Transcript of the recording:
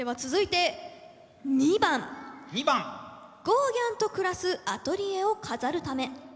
ゴーギャンと暮らすアトリエを飾るため。